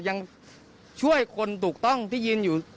ยังช่วยคนถูกต้องที่ยืนอยู่